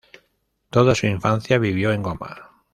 Toda su infancia, vivió en Goma.